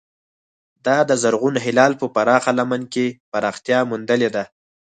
دا د زرغون هلال په پراخه لمن کې پراختیا موندلې ده.